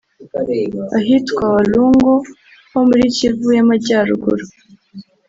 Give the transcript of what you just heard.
ahitwa Walungu ho muri Kivu y’Amajyaruguru